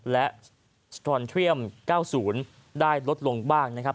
และสตรอนเทียม๙๐ได้ลดลงบ้างนะครับ